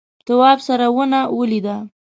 تواب سره ونه ولیده.